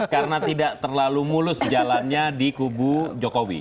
karena tidak terlalu mulus jalannya di kubu jokowi